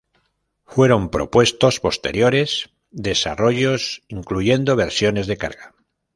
Fueron propuestos posteriores desarrollos, incluyendo versiones de carga.